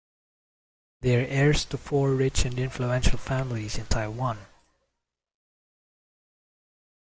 They are heirs to four rich and influential families in Taiwan.